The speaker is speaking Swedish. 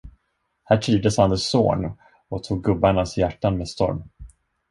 Här trivdes Anders Zorn och tog gubbarnas hjärtan med storm.